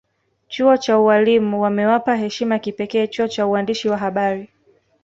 Chuo cha ualimu wamewapa heshima ya kipekee chuo cha uandishi wa habari